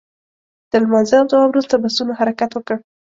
تر لمانځه او دعا وروسته بسونو حرکت وکړ.